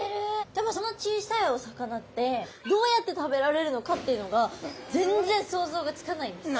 でもその小さいお魚ってどうやって食べられるのかっていうのが全然想像がつかないんですよ。